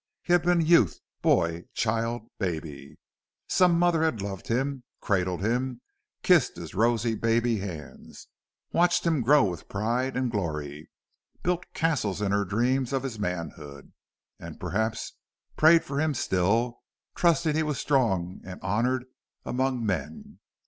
He had been youth, boy, child, baby. Some mother had loved him, cradled him, kissed his rosy baby hands, watched him grow with pride and glory, built castles in her dreams of his manhood, and perhaps prayed for him still, trusting he was strong and honored among men.